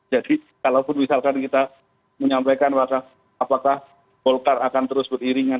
jadi kalau pun misalkan kita menyampaikan apakah golkar akan terus beriringan